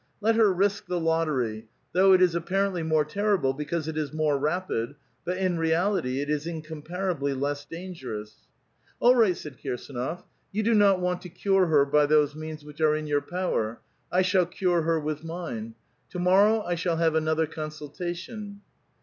Let her risk the lotter} , though it is appar ently more terrible because it is more rapid, but in reality it is incomparably less dangerous. "All right," said Kirsdnof. "You do not want to cure her by those means w^hich are in your power ; I shall cure her with mine. To moiTOw I shall have another consultation."